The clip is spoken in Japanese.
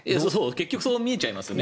結局そう見えちゃいますよね。